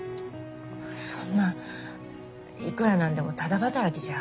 そんないくら何でもただ働きじゃ。